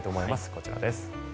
こちらです。